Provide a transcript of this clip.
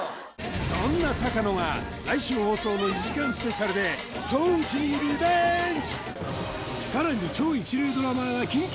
そんな高野が来週放送の２時間スペシャルでさらにマジで？